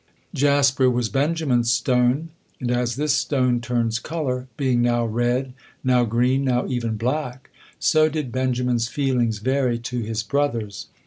Jasper was Benjamin's stone, and as this stone turns color, being now red, now green, now even black, so did Benjamin's feelings vary to his brothers.